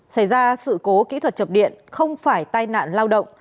xảy ra sự cố kỹ thuật chập điện không phải tai nạn lao động